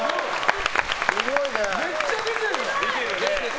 めっちゃ出てる。